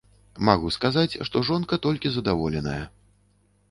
Магу сказаць, што жонка толькі задаволеная.